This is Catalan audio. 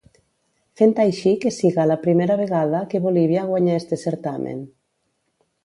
Fent així que siga la primera vegada que Bolívia guanya este certamen.